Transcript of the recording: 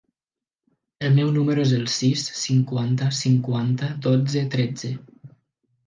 El meu número es el sis, cinquanta, cinquanta, dotze, tretze.